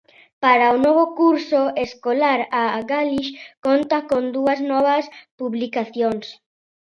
Para o novo curso escolar a Gálix conta con dúas novas publicacións.